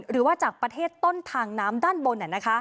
หรือว่าจากประเทศต้นทางน้ำด้านบน